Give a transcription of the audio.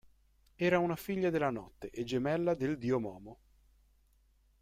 Era una figlia della Notte e gemella del dio Momo.